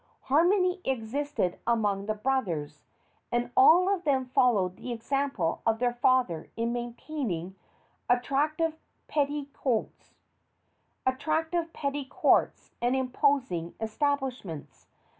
Harmony existed among the brothers, and all of them followed the example of their father in maintaining attractive petty courts and imposing establishments.